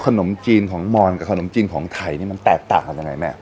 ขนมจีนของมรณกับขนมจีนของไข่นี่มันแตกอะไรอย่างไรนะ